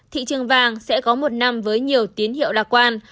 thị trường vàng sẽ có một năm với nhiều tiến hiệu đặc quan